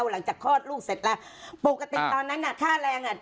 หลังจากคลอดลูกเสร็จแล้วปกติตอนนั้นน่ะค่าแรงอ่ะ